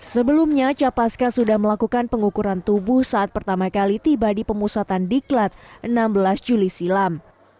sebelumnya capaska sudah melakukan pengukuran tubuh saat pertama kali tiba di pemusatan diklat enam belas juli silam